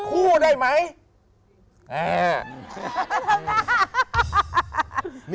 คู่ได้ไหม